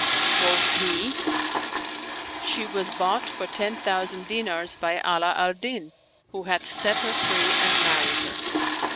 Quoth he, "She was bought for ten thousand dinars by Ala al Din, who hath set her free and married her."